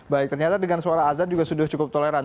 baik ternyata dengan suara azan juga sudah cukup toleran